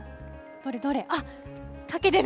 どれどれ？